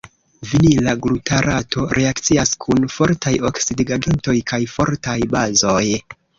Vinila glutarato reakcias kun fortaj oksidigagentoj kaj fortaj bazoj.